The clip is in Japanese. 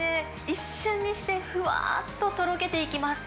一瞬にしてふわっととろけていきます。